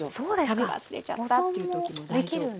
食べ忘れちゃったという時も大丈夫。